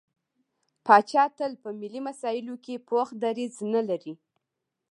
پاچا تل په ملي مسايلو کې پوخ دريځ نه لري.